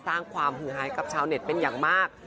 สร้างความหือหายกับชาวเน็ตเป็นอย่างมาก